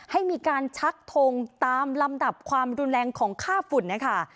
ให้มีการชักทงตามลำดับความรุนแรงของค่าฝุ่นนะคะ